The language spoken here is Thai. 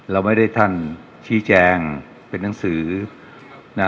เราไม่ได้ท่านชี้แจงเป็นหนังสือนะ